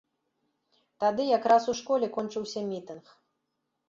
Тады якраз у школе кончыўся мітынг.